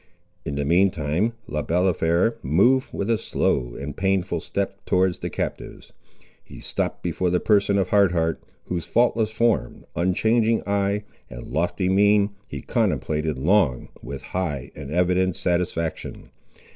In the mean time Le Balafré moved with a slow and painful step towards the captives. He stopped before the person of Hard Heart, whose faultless form, unchanging eye, and lofty mien, he contemplated long, with high and evident satisfaction.